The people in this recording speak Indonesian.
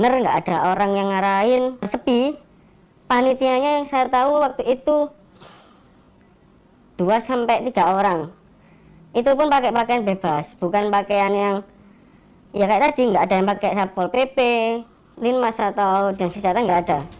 soalnya gak ada barang